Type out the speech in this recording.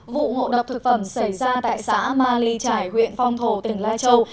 vụ ngộ độc thực phẩm xảy ra tại xã ma ly trải huyện phong thổ tỉnh lai châu